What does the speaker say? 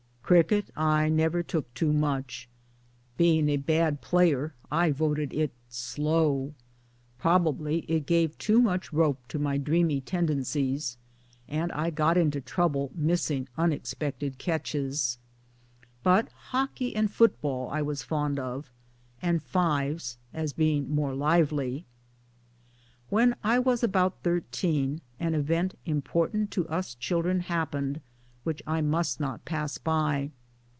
Cricket I never took to much. Being a bad player BRIGHTON] 21 I voted it ' slow.' Probably it gave too much rope to my dreamy tendencies, and I got into trouble missing unexpected catches. But hockey and foot ball I was fond of, and fives, as being more lively. When I was about, thirteen an event important to us children happened, which I must not pass by.